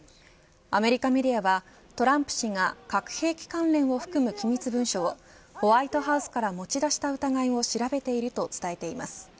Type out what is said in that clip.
アメリカメディアはトランプ氏が核兵器関連を含む機密文書をホワイトハウスから持ち出した疑いを調べていると伝えています。